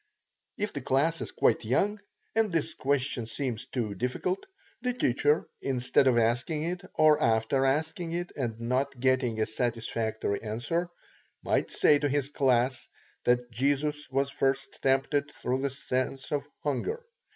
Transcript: If the class is quite young, and this question seems too difficult, the teacher, instead of asking it, or after asking it and not getting a satisfactory answer, might say to his class, that Jesus was first tempted through the sense of hunger.